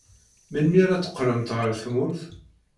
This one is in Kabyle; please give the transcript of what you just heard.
Melmi ara teqqlemt ɣer tmurt?